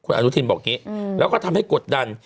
อาณุถินบอกงี้แล้วก็ทำให้กดดัน